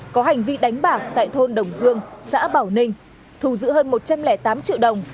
có hành vi đánh bạc tại thôn đồng dương xã bảo ninh thù giữ hơn một trăm linh tám triệu đồng